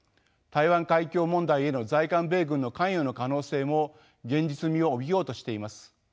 台湾海峡問題への在韓米軍の関与の可能性も現実味を帯びようとしています。